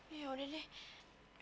ya udah deh